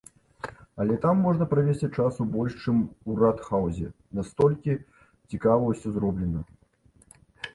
Але там можна правесці часу больш, чым у ратхаўзе, настолькі цікава ўсё зроблена!